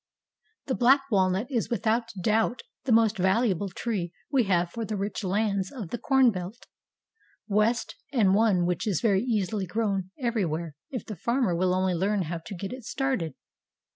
The black walnut is without doubt the most valuable tree we have for the rich lands of the "corn belt," West, and one which is very easily grown everywhere if the farmer will only learn how to get it started.